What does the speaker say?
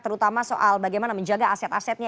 terutama soal bagaimana menjaga aset asetnya